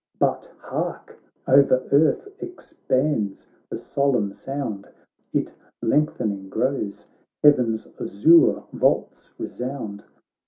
But hark ! o'er earth expands the solemn sound ; It lengthening grows — heaven's azure vaults resound.